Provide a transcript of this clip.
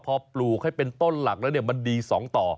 พอปลูกให้เป็นต้นหลักแล้วมันดี๒ต่อ